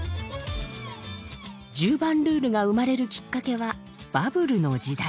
十番ルールが生まれるきっかけはバブルの時代。